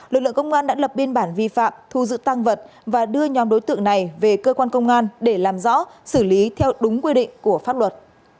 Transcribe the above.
lực lượng công an đã lập biên bản vi phạm thu giữ tăng vật và đưa nhóm đối tượng này về cơ quan công an để làm rõ xử lý theo đúng quy định của pháp luật